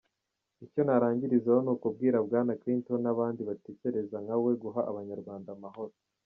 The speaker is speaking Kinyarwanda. Icyo narangirizaho ni ukubwira Bwana Clinton n’abandi batekereza nkawe guha abanyarwanda amahoro.